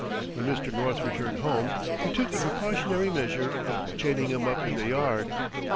When Mr. North returned home he took the precautionary measure of chaining him up in the yard.